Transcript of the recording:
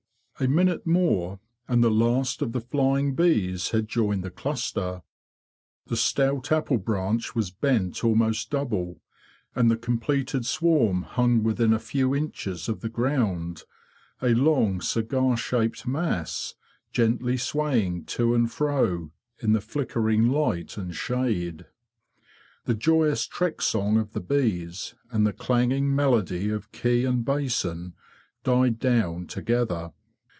A minute more, and the last of the flying bees had joined the cluster; the stout apple branch was bent almost double; and the completed swarm hung within a few inches of the ground, a long cigar shaped mass gently swaying to and fro in the flickering light and shade. The joyous trek song of the bees, and the clang ing melody of key and basin, died down together.